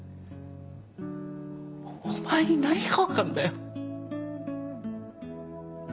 お前に何が分かんだよ。